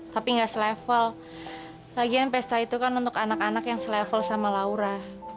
tapi nggak selevel lagian pesta itu kan untuk anak anak yang selevel sama laura